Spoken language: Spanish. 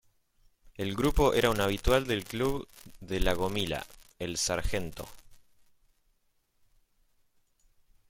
El grupo era un habitual del club de La Gomila, el "Sgt.